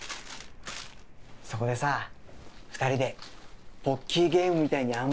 そこでさ２人でポッキーゲームみたいにあんバターを。